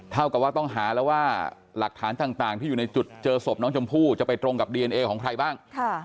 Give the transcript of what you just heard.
เท่ากับว่าต้องหาแล้วว่าหลักฐานต่างที่อยู่ในจุดเจอศพน้องชมพู่จะไปตรงกับดีเอนเอของใครบ้าง